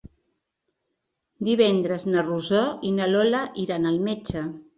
Divendres na Rosó i na Lola iran al metge.